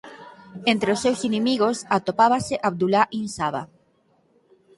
Entre os seus inimigos atopábase Abdullah ibn Saba.